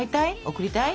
贈りたい？